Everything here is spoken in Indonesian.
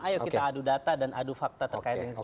ayo kita adu data dan adu fakta terkait dengan itu